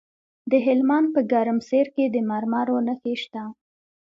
د هلمند په ګرمسیر کې د مرمرو نښې شته.